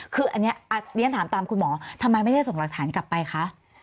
คืออันนี้เรียนถามตามคุณหมอทำไมไม่ได้ส่งหลักฐานกลับไปคะ